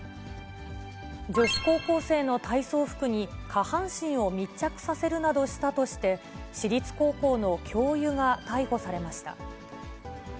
女子高校生の体操服に下半身を密着させるなどしたとして、私立高校の教諭が逮捕されました。